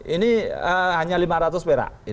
ini hanya lima ratus perak